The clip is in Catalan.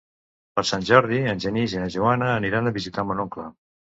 Per Sant Jordi en Genís i na Joana aniran a visitar mon oncle.